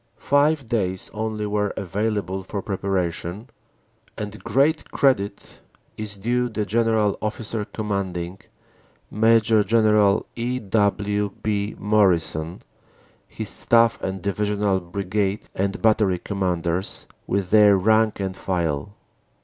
Five days only were available for preparation, and great credit is due the G.O.C., Major General E. W. B. Morrison, his Staff and Divisional Brigade and Battery Commanders, with their rank and file.